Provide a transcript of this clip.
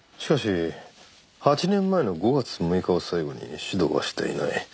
しかし８年前の５月６日を最後に指導はしていない。